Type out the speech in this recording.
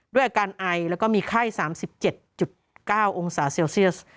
ด้วยอาการไอแล้วก็มีไข้๓๗๙องศาเซลเซียส